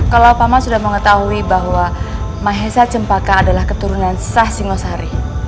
kalau pak man sudah mengetahui bahwa mahisya cempaka adalah keturunan sah singo sari